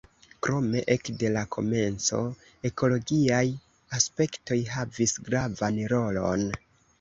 Krome ekde la komenco ekologiaj aspektoj havis gravan rolon.